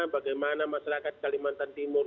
bagaimana masyarakat kalimantan timur